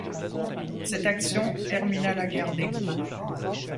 Cette action termina la guerre des Gaules.